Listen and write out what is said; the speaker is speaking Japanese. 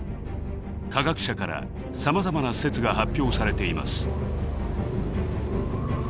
科学者からさまざまな説が発表されています。